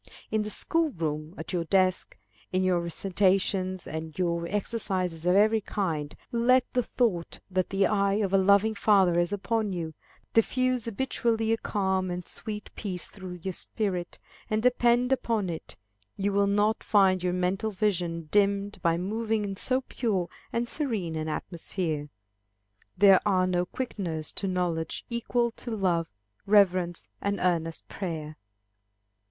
In the school room, at your desk, in your recitations, and your exercises of every kind, let the thought that the eye of a loving Father is upon you, diffuse habitually a calm and sweet peace through your spirit, and depend upon it, you will not find your mental vision dimmed by moving in so pure and serene an atmosphere. There are no quickeners to knowledge equal to love, reverence, and earnest prayer.